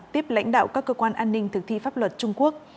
tiếp lãnh đạo các cơ quan an ninh thực thi pháp luật trung quốc